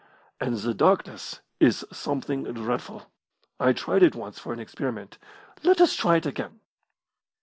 "And the darkness is something dreadful. I tried it once for an experiment. Let us try it again!"